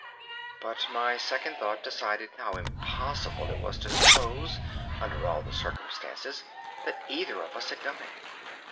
But my second thought decided how impossible it was to suppose, under all the circumstances, that either of us had done it.